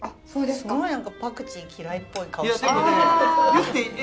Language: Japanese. すごい何かパクチー嫌いっぽい顔してる。